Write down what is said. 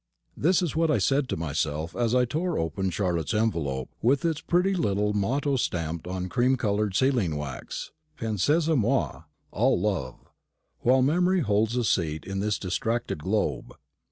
This is what I said to myself as I tore open Charlotte's envelope, with its pretty little motto stamped on cream coloured sealing wax, "Pensez à moi." Ah, love; "while memory holds a seat in this distracted globe."